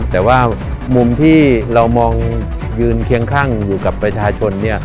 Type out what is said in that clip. แต่ว่ามุมที่เรามองยืนเคียงข้างอยู่กับประชาชน